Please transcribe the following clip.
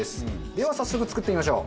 では早速作ってみましょう。